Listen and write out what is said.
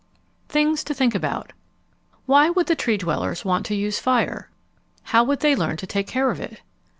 THINGS TO THINK ABOUT Why would the Tree dwellers want to use fire? How would they learn to take care of it?